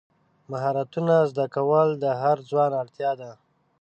مهارتونه زده کول د هر ځوان اړتیا ده.